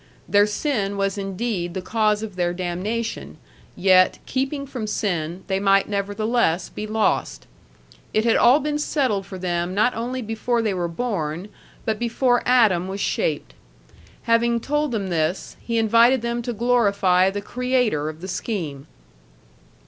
Their sin was indeed the cause of their damnation, yet, keeping from sin, they might nevertheless be lost. It had all been settled for them not only before they were born, but before Adam was shaped. Having told them this, he invited them to glorify the Creator of the scheme.